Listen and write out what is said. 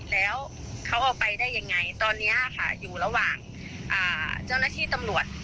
แล้วเขาออกไปได้ยังไงตอนนี้ค่ะอยู่ระหว่างเจ้าหน้าที่ตำรวจ